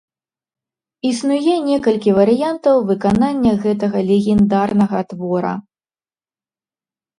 Існуе некалькі варыянтаў выканання гэтага легендарнага твора.